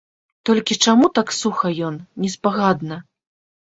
Толькі чаму так суха ён, неспагадна?